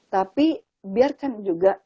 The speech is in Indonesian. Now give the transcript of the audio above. tapi biarkan juga